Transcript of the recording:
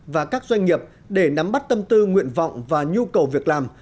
và các doanh nghiệp để nắm bắt tâm tư nguyện vọng và nhu cầu việc làm